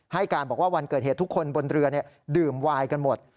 ให้การบอกว่าวันเกิดเหตุทุกคนบนเรือดื่มวายกันหมด